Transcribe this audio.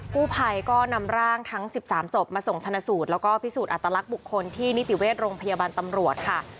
ผู้ภัยก็นำร่างทั้ง๑๓ศพมาส่งชนะสูตรแล้วก็พิสูจน์อัตลักษณ์บุคคลที่นิติเวชโรงพยาบาลตำรวจค่ะ